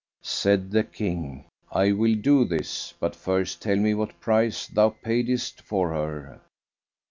Said the King, "I will do this, but first tell me what price thou paidest for her."